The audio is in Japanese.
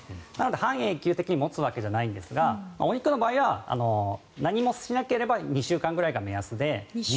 半永久的に持つわけじゃないんですがお肉の場合は何もしなければ２週間くらいが目安で。